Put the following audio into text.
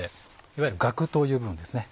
いわゆるガクという部分ですね。